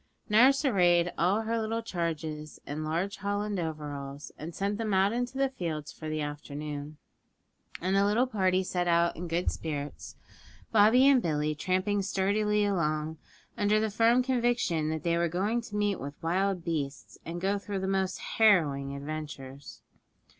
Nurse arrayed all her little charges in large holland overalls, and sent them out into the fields for the afternoon. And the little party set out in good spirits, Bobby and Billy tramping sturdily along, under the firm conviction that they were going to meet with wild beasts, and go through the most harrowing adventures.